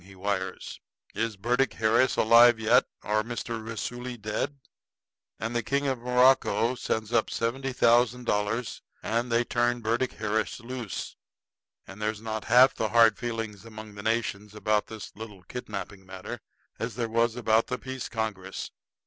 he wires. 'Is Burdick Harris alive yet, or Mr. Raisuli dead?' And the King of Morocco sends up the seventy thousand dollars, and they turn Burdick Harris loose. And there's not half the hard feelings among the nations about this little kidnapping matter as there was about the peace congress.